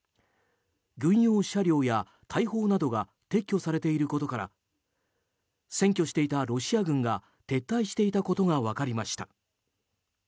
軍用車両や大砲などが撤去されていることから占拠していたロシア軍が撤退していたことが分かりました。